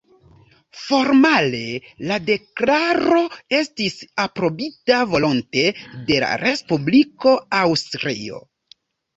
Formale, la deklaro estis aprobita volonte de la Respubliko Aŭstrio.